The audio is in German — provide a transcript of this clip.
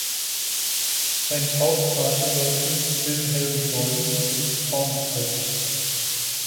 Sein Taufpate war Fürst Wilhelm Solms zu Braunfels.